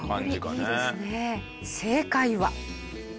正解は。